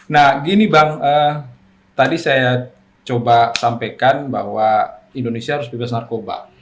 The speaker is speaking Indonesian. nah gini bang tadi saya coba sampaikan bahwa indonesia harus bebas narkoba